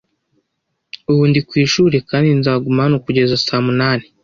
Ubu ndi ku ishuri kandi nzaguma hano kugeza saa munani.